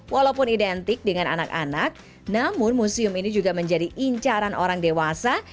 walaupun identik dengan anak anak namun museum ini juga menjadi incaran orang dewasa